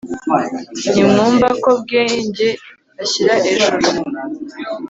Ntimwumva ko Bwenge ashyira ejuru